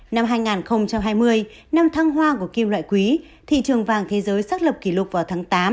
năm hai nghìn hai mươi năm thăng hoa của kim loại quý thị trường vàng thế giới xác lập kỷ lục vào tháng tám